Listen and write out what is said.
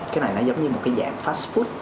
cái này nó giống như một cái dạng fas food